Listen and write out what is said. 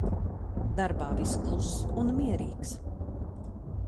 Darbā viss kluss un mierīgs.